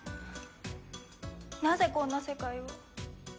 なぜこんな世界を？